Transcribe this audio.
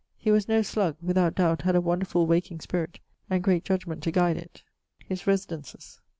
He was no slug; without doubt, had a wonderfull waking spirit, and great judgment to guide it. <_His residences.